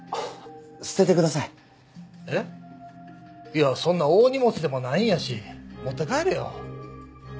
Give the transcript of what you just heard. いやそんな大荷物でもないんやし持って帰れよ。